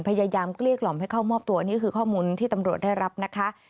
พยายามก็เรียกหล่อมให้เข้ามอบตัวนี่คือข้อมูลที่ตำรวจได้รับนะคะ